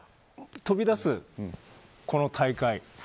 飛び出す、この大会。